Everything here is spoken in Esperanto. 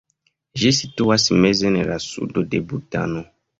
Ĝi situas meze en la sudo de Butano.